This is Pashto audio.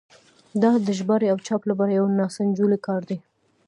دا د ژباړې او چاپ لپاره یو ناسنجولی کار دی.